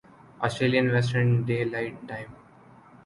Australian Western daylight time